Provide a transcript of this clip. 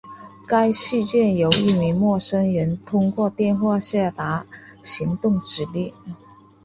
该事件由一名陌生人通过电话下达行动指令。